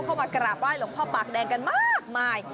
เข้ามากระบว่ายหลวงพ่อปากแดงกันมากมาย